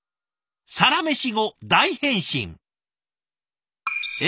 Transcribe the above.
「サラメシ後、大変身！」。